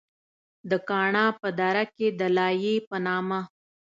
د کاڼا پۀ دره کښې د “دلائي” پۀ نامه